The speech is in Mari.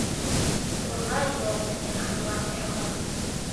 ...Пурла йол дене кынелам эрла.